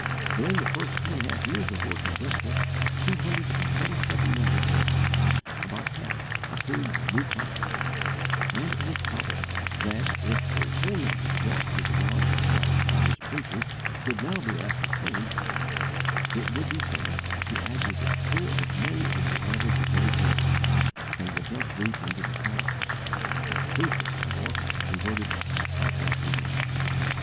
During the first two and a half years of work in Bristol, two hundred and twenty seven members were added, about half of whom were new converts, and it is probable that, if the whole number brought to the knowledge of Christ by his preaching could now be ascertained, it would be found to aggregate full as many as the average of those years, and would thus reach into the thousands, exclusive of orphans converted on Ashley Down.